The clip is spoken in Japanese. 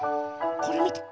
これみて。